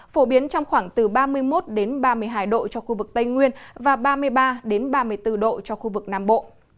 phổ biến trong khoảng từ ba mươi một ba mươi hai độ cho khu vực tây nguyên và ba mươi ba ba mươi bốn độ cho khu vực nam bộ